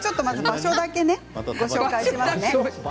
場所だけご紹介します。